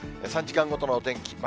３時間ごとのお天気。